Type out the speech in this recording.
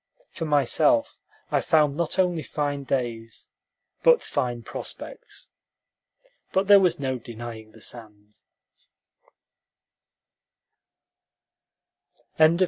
For myself, I found not only fine days, but fine prospects. But there was no denying the sand. ALONG THE HILLSBOROUGH.